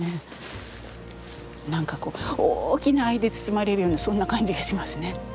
何かこう大きな愛で包まれるようなそんな感じがしますね。